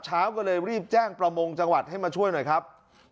เช้าก็เลยรีบแจ้งประมงจังหวัดให้มาช่วยหน่อยครับ